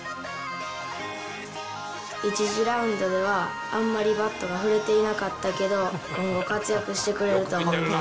１次ラウンドでは、あんまりバットが振れていなかったけど、今後、活躍してくれると思います。